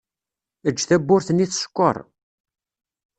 Eǧǧ tawwurt-nni tsekkeṛ.